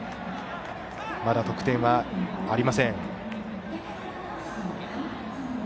まだ得点はありません。